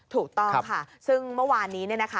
ถูกต้องค่ะซึ่งเมื่อวานนี้เนี่ยนะคะ